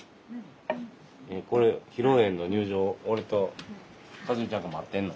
これ披露宴の入場俺と一美ちゃんと待ってんの？